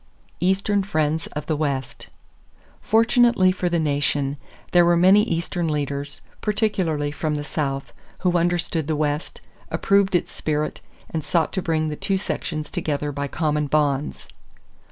=Eastern Friends of the West.= Fortunately for the nation, there were many Eastern leaders, particularly from the South, who understood the West, approved its spirit, and sought to bring the two sections together by common bonds.